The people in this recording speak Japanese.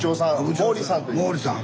毛利さん。